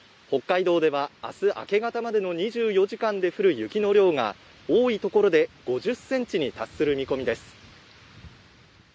北海道では明日明け方までの２４時間で降る雪の量が、多い所で５０ｃｍに達する見込みです。